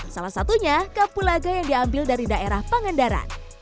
salah satunya kapulaga yang diambil dari daerah pangandaran